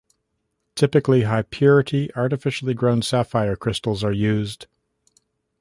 Typically, high-purity artificially grown sapphire crystals are used.